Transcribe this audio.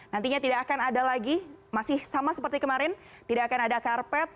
nantinya tidak akan ada lagi masih sama seperti kemarin tidak akan ada karpet